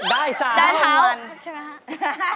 ได้สารเต้นแบบนี้ก่อนใช่ไหมฮะได้เขา